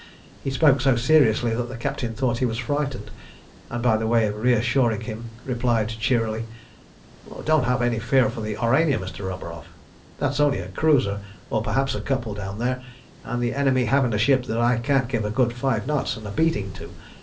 He spoke so seriously that the captain thought he was frightened, and by way of reassuring him replied cheerily "Don't have any fear for the Aurania, Mr. Roburoff. That's only a cruiser, or perhaps a couple, down there, and the enemy haven't a ship that I can't give a good five knots and a beating to.